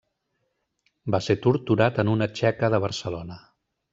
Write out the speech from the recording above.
Va ser torturat en una txeca de Barcelona.